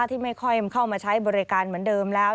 ที่ไม่ค่อยเข้ามาใช้บริการเหมือนเดิมแล้ว